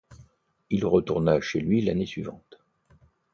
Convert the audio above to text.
Il retourna chez lui l'année suivante.